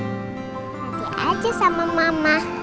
nanti aja sama mama